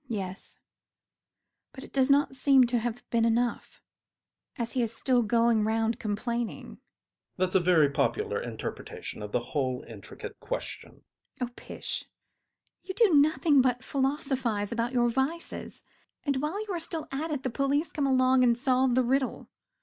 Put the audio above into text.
MME. CATHERINE. Yes, but it does not seem to have been enough, as he is still going around complaining. ADOLPHE. That's a very popular interpretation of the whole intricate question. MME. CATHERINE. Oh, pish! You do nothing but philosophise about your vices, and while you are still at it the police come along and solve the riddle.